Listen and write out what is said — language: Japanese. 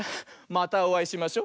またおあいしましょ。